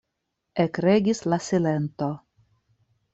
Ekregis la silento.